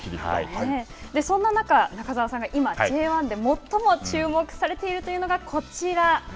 そんな中中澤さんが今、Ｊ１で最も注目されているというのがこちら。